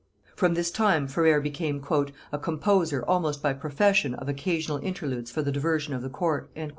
From this time Ferrers became "a composer almost by profession of occasional interludes for the diversion of the court."